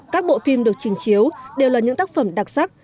các bộ phim được trình chiếu đều là những tác phẩm đặc sắc